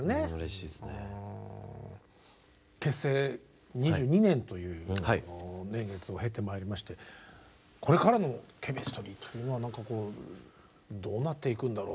結成２２年という年月を経てまいりましてこれからのＣＨＥＭＩＳＴＲＹというのはどうなっていくんだろう。